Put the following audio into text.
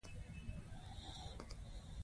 دا ځای وينې؟